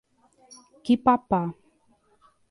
Quipapá